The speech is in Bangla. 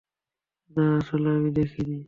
না, আসলে আমি দেখিনি।